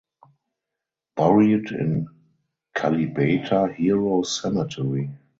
Buried in Kalibata Heroes Cemetery.